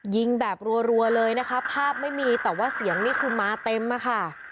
ยิงแบบรัวเลยนะคะภาพไม่มีแต่ว่าเสียงนี่คือมาเต็มอะค่ะ